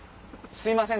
すいません。